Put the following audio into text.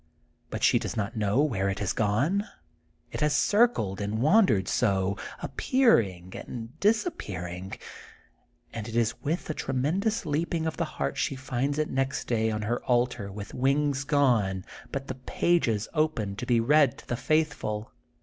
But she does not know where it has gone, it has circled and wandered so. appearing and disappearing. And it is witii a tremendous leaping of the heart she finds it next day on her altar with wings gone but with pages open to be read to the faithful.